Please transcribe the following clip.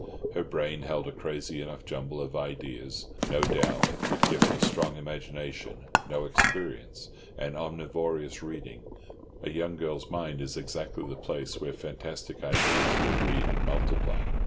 Her brain held a crazy enough jumble of ideas, no doubt; but given a strong imagination, no experience, and omnivorous reading, a young girl's mind is exactly the place where fantastic ideas will breed and multiply.